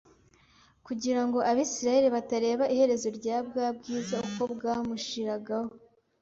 kugira ngo Abisirayeli batareba iherezo rya bwa bwiza uko bwamushiragaho